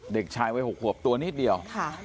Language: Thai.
เด็กชายวัย๖ขวบตัวนิดเดียว